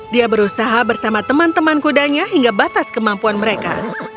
dia berusaha bersama teman teman kudanya hingga batas kemampuan mereka